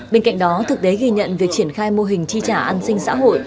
bên cạnh đó thực tế ghi nhận việc triển khai mô hình tri trả an sinh xã hội